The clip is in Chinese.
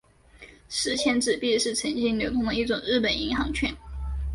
十钱纸币是曾经流通的一种日本银行券。